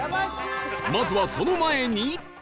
まずはその前に